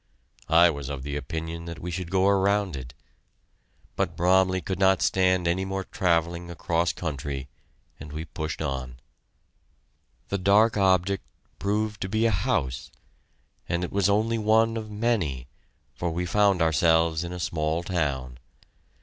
I was of the opinion that we should go around it, but Bromley could not stand any more travelling across country, and we pushed on. The dark object proved to be a house, and it was only one of many, for we found ourselves in a small town.